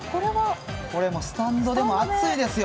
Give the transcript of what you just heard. これはスタンドでも、熱いですよ。